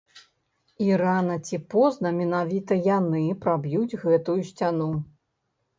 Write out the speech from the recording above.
І рана ці позна менавіта яны праб'юць гэтую сцяну!